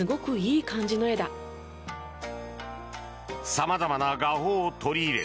様々な画法を取り入れ